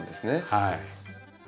はい。